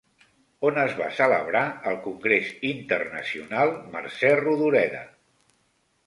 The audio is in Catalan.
On es va celebrar el Congrés Internacional Mercè Rodoreda?